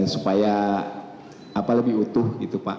supaya lebih utuh gitu pak